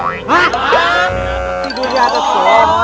tidur di atas pohon